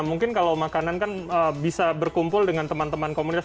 mungkin kalau makanan kan bisa berkumpul dengan teman teman komunitas